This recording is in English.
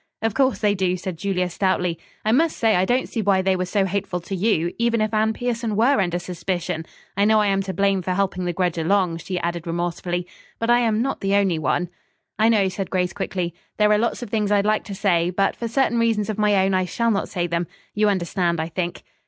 "Of course, they do," said Julia stoutly. "I must say I don't see why they were so hateful to you, even if Anne Pierson were under suspicion. I know I am to blame for helping the grudge along," she added remorsefully, "but I am, not the only one." "I know," said Grace quickly. "There are lots of things I'd like to say, but for certain reasons of my own I shall not say them. You understand, I think."